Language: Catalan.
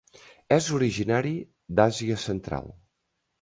És originari d'Àsia central.